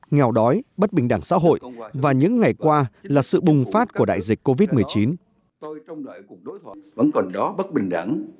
nghèo đói bất bình đẳng xã hội và những ngày qua là sự bùng phát của đại dịch covid một mươi chín